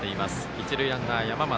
一塁ランナー、山増。